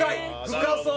深そう！